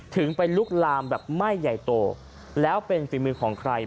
ถึงไปลุกลามแบบไม่ใหญ่โตแล้วเป็นฝีมือของใคร